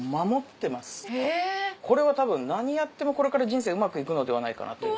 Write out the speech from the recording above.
これはたぶん何やってもこれから人生うまくいくのではないかなという。